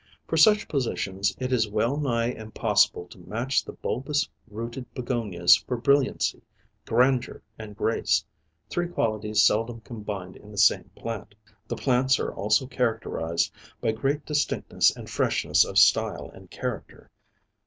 For such positions it is well nigh impossible to match the bulbous rooted Begonias for brilliancy, grandeur and grace, three qualities seldom combined in the same plant. The plants are also characterized by great distinctness and freshness of style and character."